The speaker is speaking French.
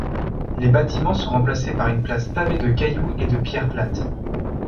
Les bâtiments sont remplacés par une place pavée de cailloux et de pierres plates.